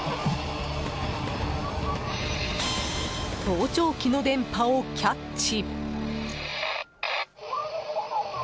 盗聴器の電波をキャッチ。